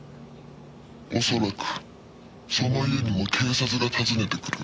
「おそらくその家にも警察が訪ねてくる」